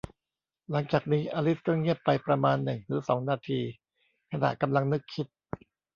หลังจากนี้ อลิซก็เงียบไปประมาณหนึ่งหรือสองนาที ขณะกำลังนึกคิด